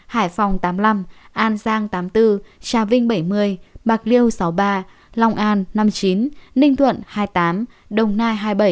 hải phòng tám mươi năm an giang tám mươi bốn trà vinh bảy mươi bạc liêu sáu mươi ba long an năm mươi chín ninh thuận hai mươi tám đồng nai hai mươi bảy